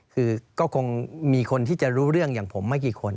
คือก็คงมีคนที่จะรู้เรื่องอย่างผมไม่กี่คน